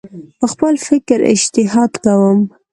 په خپل فکر اجتهاد کوم